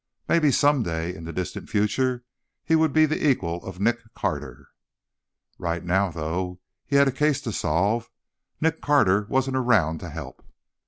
Maybe someday, in the distant future, he would be the equal of Nick Carter. Right now, though, he had a case to solve. Nick Carter wasn't around to help.